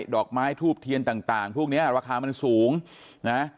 ดอกไม้ทูบเทียนต่างพวกนี้ราคามันสูงนะ